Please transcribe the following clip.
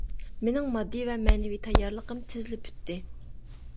مېنىڭ ماددىي ۋە مەنىۋى تەييارلىقىم تېزلا پۈتتى.